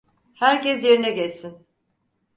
Herkes yerine geçsin.